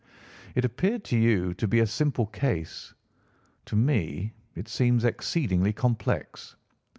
It appeared to you to be a simple case; to me it seems exceedingly complex.